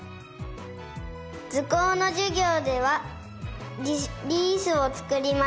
ずこうのじゅぎょうではリースをつくりました。